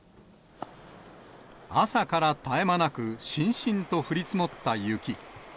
朝から絶え間なく、しんしんと降り積もった雪。